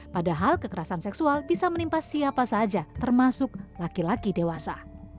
padahal kekerasan seksual bisa menimpa siapa saja termasuk laki laki dewasa